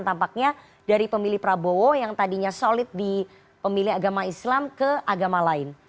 tampaknya dari pemilih prabowo yang tadinya solid di pemilih agama islam ke agama lain